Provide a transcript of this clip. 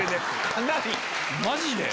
マジで。